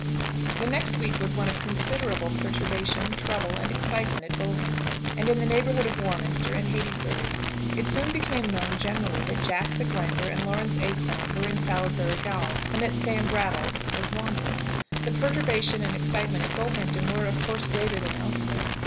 The next week was one of considerable perturbation, trouble, and excitement at Bullhampton, and in the neighbourhood of Warminster and Heytesbury. It soon became known generally that Jack the Grinder and Lawrence Acorn were in Salisbury gaol, and that Sam Brattle was wanted. The perturbation and excitement at Bullhampton were, of course, greater than elsewhere.